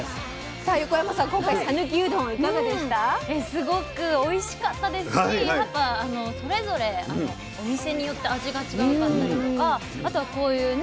すごくおいしかったですしやっぱそれぞれお店によって味がちがうかったりとかあとはこういうね